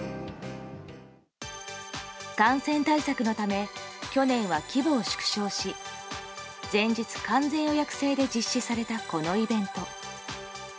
感染対策のため去年は規模を縮小し全日完全予約制で実施されたこのイベント。